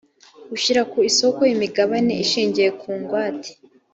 ushyira ku isoko imigabane ishingiye ku ngwate